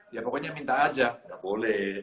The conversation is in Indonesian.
ya pokoknya minta aja nggak boleh